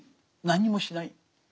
何もしない。